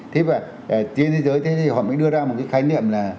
thế và trên thế giới thì họ mới đưa ra một cái khái niệm là